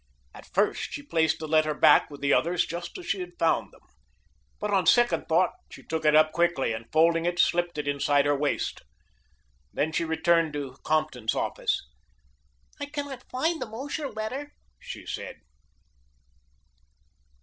At first she placed the letter back with the others just as she had found them, but on second thought she took it up quickly and, folding it, slipped it inside her waist. Then she returned to Compton's office. "I cannot find the Mosher letter," she said.